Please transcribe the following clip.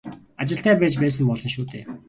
Ажилтай байж байсан болно шүү дээ.